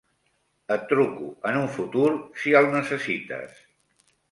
Et truco en un futur, si el necessites.